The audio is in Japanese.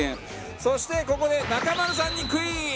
そしてここで中丸さんにクイズ！